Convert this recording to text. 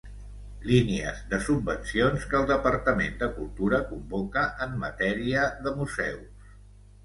Línies de subvencions que el Departament de Cultura convoca en matèria de museus.